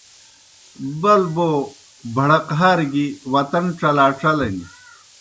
بلبو بھڑقہار گیْ وطن ڇلاڇلِن۔